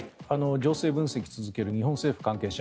情勢分析を続ける日本政府関係者